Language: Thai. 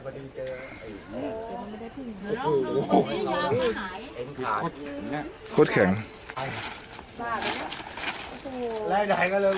พอดีเจอโอ้โหโอ้โหโอ้โหแข็งแรกใดก็เลยบอก